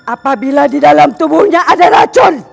apabila di dalam tubuhnya ada racun